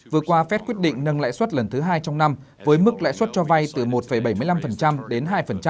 vừa qua fed quyết định nâng lãi suất lần thứ hai trong năm với mức lãi suất cho vay từ một bảy mươi năm đến hai